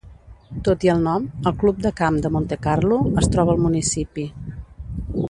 Tot i el nom, el Club de Camp de Monte Carlo es troba al municipi.